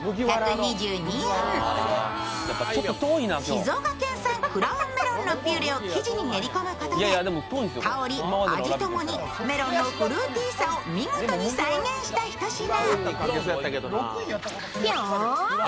静岡県産クラウンメロンのピューレを生地に練り込むことで香り、味ともにメロンのフルーティーさを見事に再現したひと品。